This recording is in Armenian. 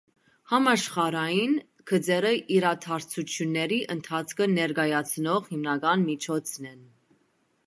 Համաշխարհային գծերը իրադարձությունների ընթացքը ներկայացնող հիմնական միջոցն են։